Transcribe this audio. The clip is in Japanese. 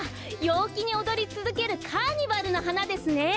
ようきにおどりつづけるカーニバルのはなですね。